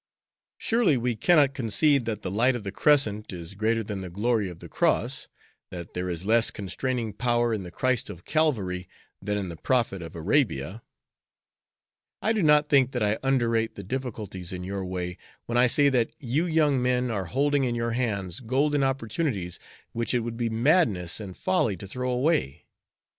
Surely we cannot concede that the light of the Crescent is greater than the glory of the Cross, that there is less constraining power in the Christ of Calvary than in the Prophet of Arabia? I do not think that I underrate the difficulties in your way when I say that you young men are holding in your hands golden opportunities which it would be madness and folly to throw away.